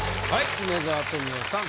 梅沢富美男さん